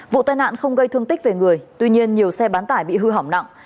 vụ tai nạn không gây thương tích về người tuy nhiên nhiều xe bán tải bị hư hỏng nặng